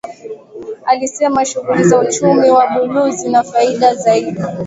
Alisema shughuli za uchumi wa buluu zina faida zaidi